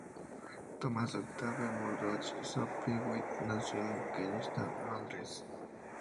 Thomas Octave Murdoch Sopwith nació en Kensington, Londres.